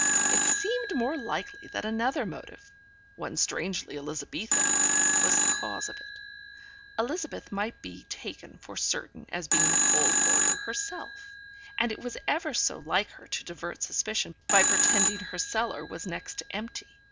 It seemed more likely that another motive (one strangely Elizabethan) was the cause of it. Elizabeth might be taken for certain as being a coal hoarder herself, and it was ever so like her to divert suspicion by pretending her cellar was next to empty.